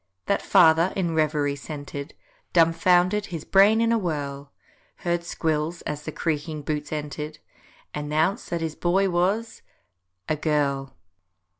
That father, in reverie centr'd, Dumfoundered, his brain in a whirl, Heard Squills—as the creaking boots enter'd,— Announce that his Boy was—a GIRL.